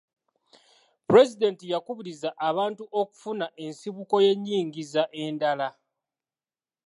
Pulezidenti yakubiriza abantu okufuna ensibuko y'enyingiza endala.